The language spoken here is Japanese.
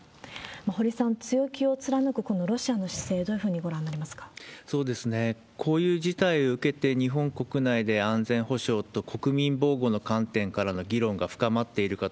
堀さん、強気を貫くこのロシアの姿勢、どういうふうにご覧になりこういう事態を受けて、日本国内で安全保障と国民防護の観点からの議論が深まっているか